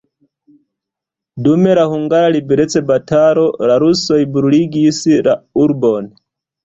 Dum la hungara liberecbatalo la rusoj bruligis la urbon.